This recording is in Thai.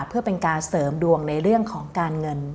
เพื่อเป็นการเสริมดวงในเรื่องของการเงิน